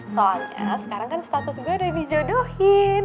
soalnya sekarang kan status gue udah dijodohin